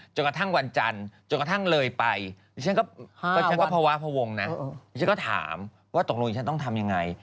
จนกระทั่งวันจันทร์จนกระทั่งเลยไปฉันก็ภาวะพวงนะดิฉันก็ถามว่าตกลงฉันต้องทำยังไง